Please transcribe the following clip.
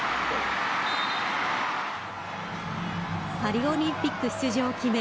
パリオリンピック出場を決め